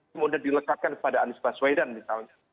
kemudian dilekakan pada anies baswedan misalnya